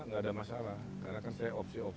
nggak ada masalah karena kan saya